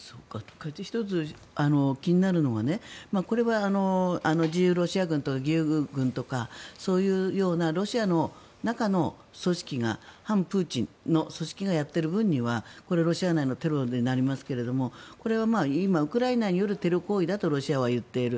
１つ、気になるのがこれは自由ロシア軍団とか義勇軍とかそういうようなロシアの中の組織が反プーチンの組織がやっている分にはこれはロシア内のテロになりますがこれは今、ウクライナによるテロ行為だとロシアは言っている。